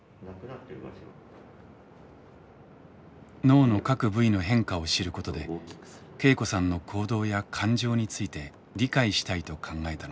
脳の各部位の変化を知ることで恵子さんの行動や感情について理解したいと考えたのです。